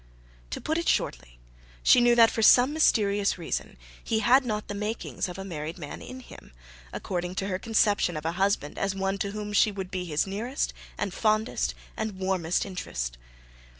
To put it shortly, she knew that for some mysterious reason he had not the makings of a married man in him, according to her conception of a husband as one to whom she would be his nearest and fondest and warmest interest.